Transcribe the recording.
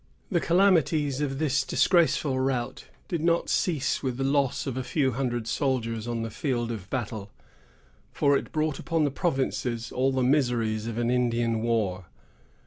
The calamities of this disgraceful rout did not cease with the loss of a few hundred soldiers on the field of battle; for it brought upon the provinces all the miseries of an Indian war.